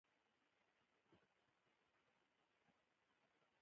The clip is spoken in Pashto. له هغوی وروسته یی مومنان په دی مامور ګرځولی دی